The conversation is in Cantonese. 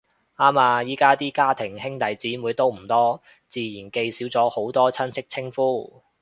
啱呀，而家啲家庭兄弟姊妹都唔多，自然記少咗好多親戚稱呼